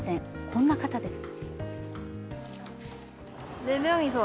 こんな方です。